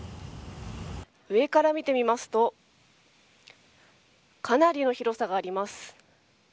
上から見てみますとかなりの広さがあります。